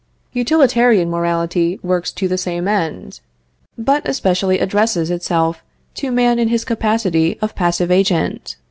Utilitarian morality works to the same end, but especially addresses itself to man in his capacity of passive agent.